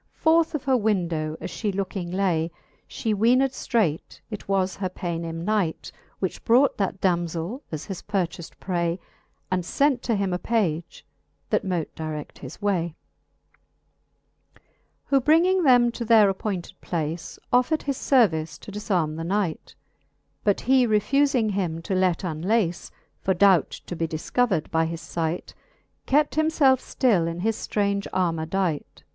Forth of her window as flie looking lay. She weened ftreight, it was her Paynim knight, Which brought that damzell, as his purchaft pray ; And fent to him a page, that mote dired his way. XXVII. Who 126 Ihe fifth Booke of Canto VIII. XXVII. Who bringing them to their appointed place, Offred his fervice to difarme the knight ; But he refuling him to let unlace, For doubt to be difcovered by his fight, Kept himfelfe ftill in his ftraunge armour dight.